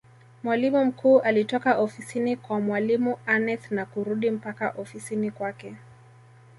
Mwalimu mkuu alitoka ofisini kwa mwalimu Aneth na kurudi mpaka ofisini kwake